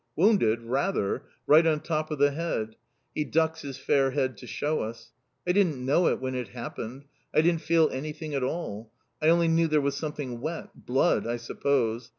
"Wounded? Rather! Right on top of the head." He ducks his fair head to shew us. "I didn't know it when it happened. I didn't feel anything at all. I only knew there was something wet. Blood, I suppose.